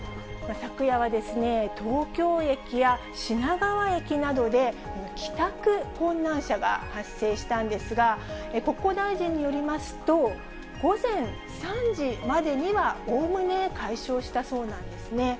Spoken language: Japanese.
昨夜は東京駅や品川駅などで帰宅困難者が発生したんですが、国交大臣によりますと、午前３時までにはおおむね解消したそうなんですね。